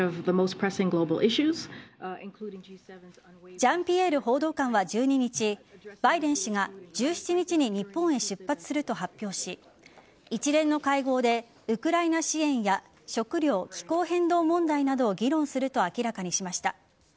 ジャンピエール報道官は１２日バイデン氏が１７日に日本へ出発すると発表し一連の会合でウクライナ支援や食料・気候変動問題などを議論すると明らかにしました。